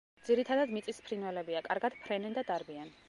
ძირითადად მიწის ფრინველებია, კარგად ფრენენ და დარბიან.